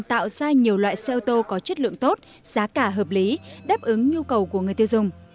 tạo ra nhiều loại xe ô tô có chất lượng tốt giá cả hợp lý đáp ứng nhu cầu của người tiêu dùng